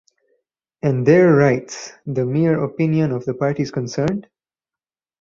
And there writes ""The mere opinion of the parties concerned?